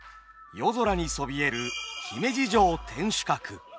夜空にそびえる姫路城天守閣。